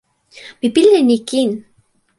mi pilin e ni kin.